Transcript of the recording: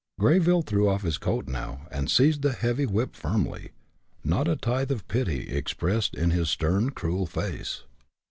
Greyville threw off his coat now, and seized the heavy whip firmly, not a tithe of pity expressed in his stern, cruel face.